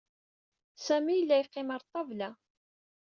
Sami yella yeqqim ɣer ṭṭabla.